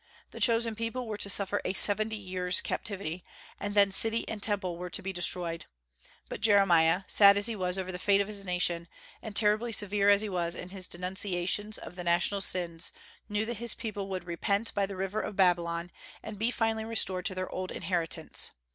The chosen people were to suffer a seventy years' captivity, and then city and Temple were to be destroyed. But Jeremiah, sad as he was over the fate of his nation, and terribly severe as he was in his denunciations of the national sins, knew that his people would repent by the river of Babylon, and be finally restored to their old inheritance.